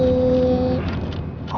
makasih om baik